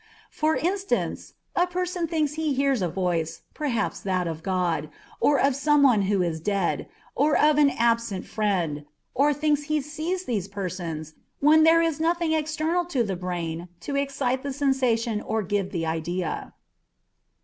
For instance, a person thinks he hears a voice, perhaps that of God, or of some one who is dead, or of an absent friend, or thinks he sees these persons, when there is nothing external to the brain to excite the sensation or give the idea.